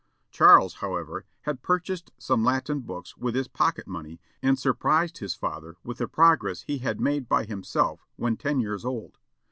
Charles, however, had purchased some Latin books with his pocket money, and surprised his father with the progress he had made by himself when ten years old.